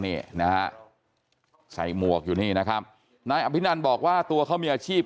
นี่นะฮะใส่หมวกอยู่นี่นะครับนายอภินันบอกว่าตัวเขามีอาชีพ